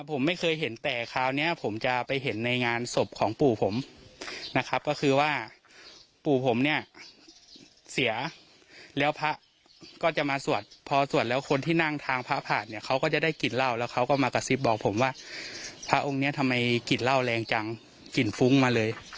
ผมไม่เคยเห็นแต่คราวนี้ผมจะไปเห็นในงานศพของปู่ผมนะครับก็คือว่าปู่ผมเนี่ยเสียแล้วพระก็จะมาสวดพอสวดแล้วคนที่นั่งทางพระผ่านเนี่ยเขาก็จะได้กลิ่นเหล้าแล้วเขาก็มากระซิบบอกผมว่าพระองค์เนี้ยทำไมกลิ่นเหล้าแรงจังกลิ่นฟุ้งมาเลย